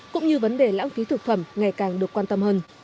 cũng như vấn đề lãng phí thực phẩm ngày càng được quan tâm hơn